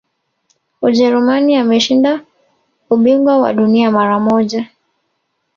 ujerumani ameshinda ubingwa wa dunia mara moja